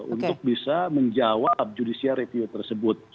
untuk bisa menjawab judisiare piu tersebut